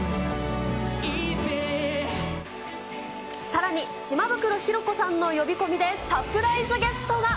さらに、島袋寛子さんの呼び込みでサプライズゲストが。